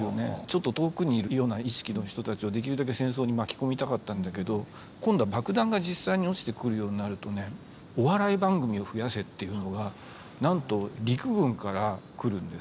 ちょっと遠くにいるような意識の人たちをできるだけ戦争に巻き込みたかったんだけど今度は爆弾が実際に落ちてくるようになるとねお笑い番組を増やせっていうのがなんと陸軍から来るんです。